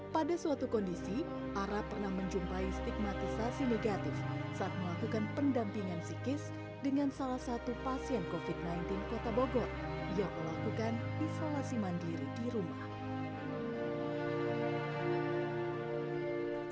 pada suatu kondisi ara pernah menjumpai stigmatisasi negatif saat melakukan pendampingan psikis dengan salah satu pasien covid sembilan belas kota bogor yang melakukan isolasi mandiri di rumah